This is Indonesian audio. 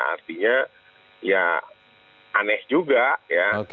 artinya ya aneh juga ya